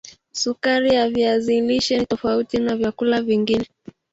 sukari ya viazi lishe ni tofauti naya vyakula vingine